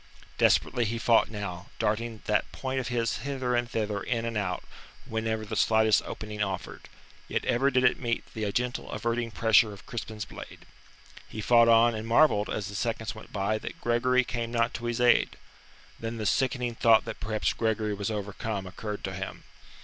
Desperately he fought now, darting that point of his hither and thither in and out whenever the slightest opening offered; yet ever did it meet the gentle averting pressure of Crispin's blade. He fought on and marvelled as the seconds went by that Gregory came not to his aid. Then the sickening thought that perhaps Gregory was overcome occurred to him.